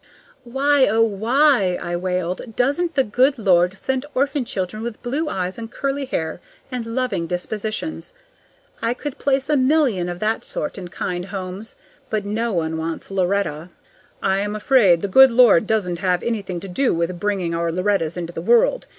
"Why, oh, why," I wailed, "doesn't the good Lord send orphan children with blue eyes and curly hair and loving dispositions? I could place a million of that sort in kind homes, but no one wants Loretta." "I'm afraid the good Lord doesn't have anything to do with bringing our Lorettas into the world.